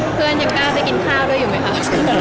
ยังกล้าไปกินข้าวด้วยอยู่ไหมคะ